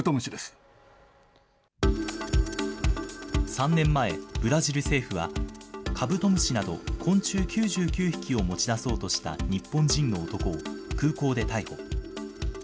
３年前、ブラジル政府は、カブトムシなど昆虫９９匹を持ちだそうとした日本人の男を空港で逮捕。